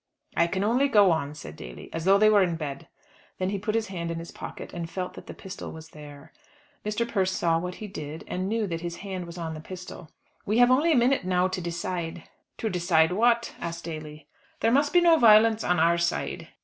"I can only go on," said Daly, "as though they were in bed." Then he put his hand in his pocket, and felt that the pistol was there. Mr. Persse saw what he did, and knew that his hand was on the pistol. "We have only a minute now to decide," he said. "To decide what?" asked Daly. "There must be no violence on our side."